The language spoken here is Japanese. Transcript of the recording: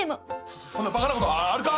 そそそんなバカなことあるか！